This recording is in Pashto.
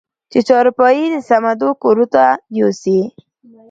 چې چارپايي د صمدو کورته يوسې؟